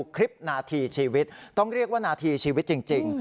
คลิปนาทีชีวิตต้องเรียกว่านาทีชีวิตจริง